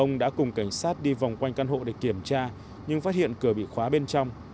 ông đã cùng cảnh sát đi vòng quanh căn hộ để kiểm tra nhưng phát hiện cửa bị khóa bên trong